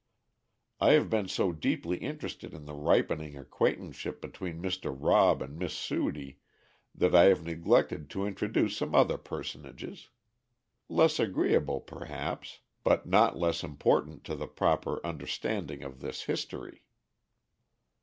I have been so deeply interested in the ripening acquaintanceship between Mr. Rob and Miss Sudie that I have neglected to introduce some other personages, less agreeable perhaps, but not less important to the proper understanding of this history.